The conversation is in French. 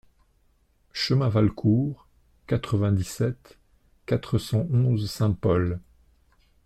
Chemin Valcourt, quatre-vingt-dix-sept, quatre cent onze Saint-Paul